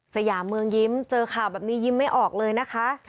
สยามเมืองยิ้มเจอข่าวแบบนี้ยิ้มไม่ออกเลยนะคะ